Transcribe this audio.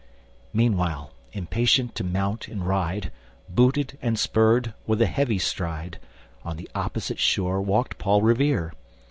Meanwhile, impatient to mount and ride, Booted and spurred, with a heavy stride On the opposite shore walked Paul Revere.